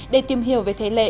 để tìm hiểu về thế lệ